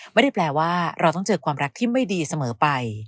ไม่ได้แปลว่าเราต้องเจอความรักที่ไม่ดีเสมอไป